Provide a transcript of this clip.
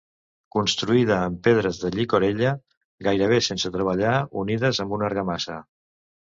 Construïda amb pedres de llicorella gairebé sense treballar unides amb una argamassa.